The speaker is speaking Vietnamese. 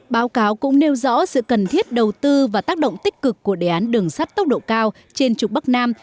báo cáo cũng nêu rõ sự cần thiết đầu tư và tác động tích cực của đề án đường sắt tốc độ cao trên trục bắc nam